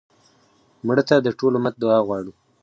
مړه ته د ټول امت دعا غواړو